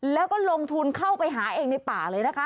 แล้วก็ลงทุนเข้าไปหาเองในป่าเลยนะคะ